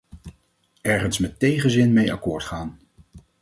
Ergens met tegenzin mee akkoord gaan.